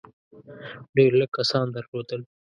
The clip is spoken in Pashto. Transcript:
ډېر لږ کسان درلودل.